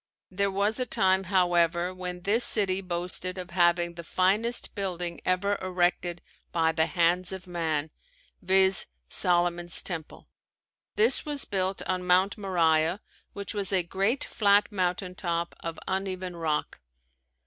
There was a time, however, when this city boasted of having the finest building ever erected by the hands of man, viz: Solomon's Temple. This was built on Mount Moriah which was a great flat mountain top of uneven rock.